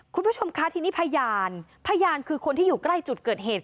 คุณผู้ชมคะทีนี้พยานพยานคือคนที่อยู่ใกล้จุดเกิดเหตุ